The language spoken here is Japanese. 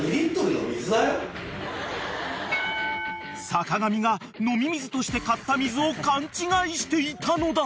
［坂上が飲み水として買った水を勘違いしていたのだ］